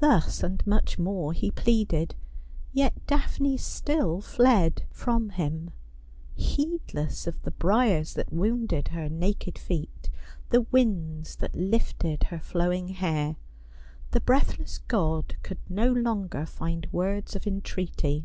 Thus and much more he pleaded, yet Daphne still fled from him, heedless of the briers that wounded her naked feet, the winds that lifted her flowing hair. The breathless god could no longer find words of entreaty.